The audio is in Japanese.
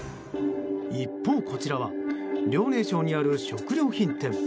一方、こちらは遼寧省にある食料品店。